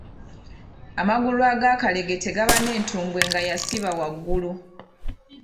Amagulu agakalegete gaba n’entumbwe nga yasibira waggulu.